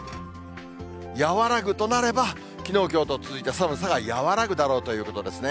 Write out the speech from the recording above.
和らぐとなれば、きのう、きょうと続いた寒さが和らぐだろうということですね。